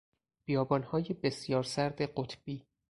بیابانهای بسیار سرد قطبی